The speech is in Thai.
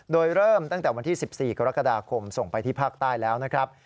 โดยเริ่มตั้งแต่วันที่๑๔กรกฎาคมส่งไปที่ภาคใต้แล้วนะครับ